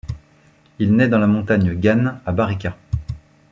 Il naît dans la montagne Ganes, à Barrika.